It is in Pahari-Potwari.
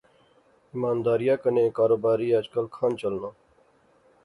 ایمانداریا کنے کاروباری اج کل کھان چلنا؟